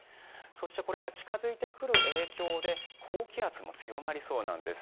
そして、これが近付いてくる影響で高気圧も強まりそうなんです。